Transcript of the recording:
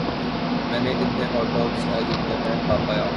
میں نے اتنے ہاٹ ڈاگز کھائیں جتنے میں کھا پایا